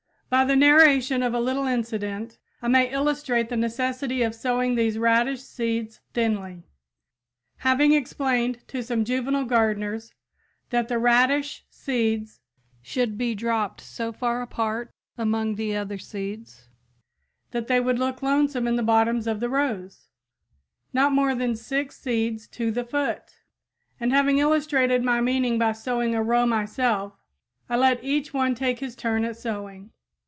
By the narration of a little incident, I may illustrate the necessity of sowing these radish seeds thinly. Having explained to some juvenile gardeners that the radish seeds should be dropped so far apart among the other seeds that they would look lonesome in the bottoms of the rows not more than six seeds to the foot and having illustrated my meaning by sowing a row myself, I let each one take his turn at sowing.